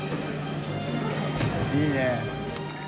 いいね。